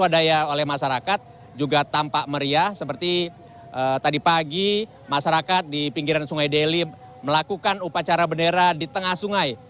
wadaya oleh masyarakat juga tampak meriah seperti tadi pagi masyarakat di pinggiran sungai deli melakukan upacara bendera di tengah sungai